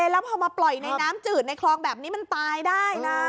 แล้วพอมาปล่อยในน้ำจืดในคลองแบบนี้มันตายได้นะ